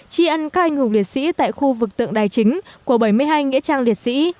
tri ân các anh hùng liệt sĩ tại khu vực tượng đài chính của bảy mươi hai nghĩa trang liệt sĩ